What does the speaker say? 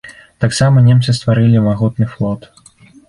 Таксама немцы стварылі магутны флот.